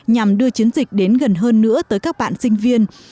nhằm đưa chiến dịch đến gần hơn nữa tới các bạn sinh viên